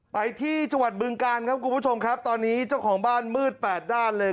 ไปที่จังหวัดบึงกาลครับคุณผู้ชมครับตอนนี้เจ้าของบ้านมืดแปดด้านเลย